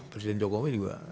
presiden jokowi juga